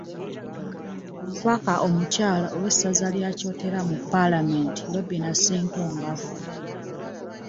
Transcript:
Omubaka omukyala ow'essaza lya Kyotera mu Palamenti, Robinah Ssentongo afudde